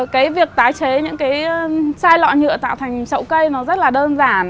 cái việc tái chế những cái chai lọ nhựa tạo thành trậu cây nó rất là đơn giản